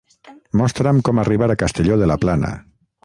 Mostra'm com arribar a Castelló de la Plana.